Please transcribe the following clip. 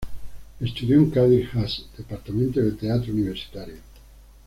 Estudió en Kadir Has departamento de teatro Universitario.